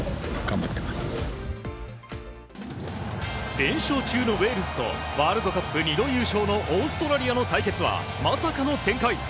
連勝中のウェールズとワールドカップ２度優勝のオーストラリアの試合はまさかの展開。